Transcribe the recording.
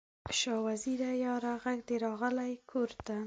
شاه وزیره یاره، ږغ دې راغلی کور ته